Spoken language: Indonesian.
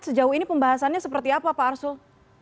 sejauh ini pembahasannya seperti apa pak arsul